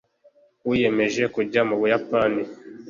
wiyemeje kujya mu buyapani